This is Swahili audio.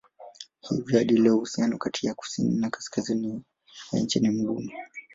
Hivyo hadi leo uhusiano kati ya kusini na kaskazini ya nchi ni mgumu.